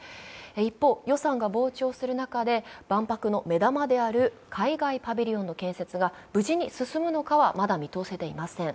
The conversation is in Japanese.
一方、予算が膨張する中で、万博の目玉である海外パビリオンの建設が無事に進めるのかはまだ見通せていません。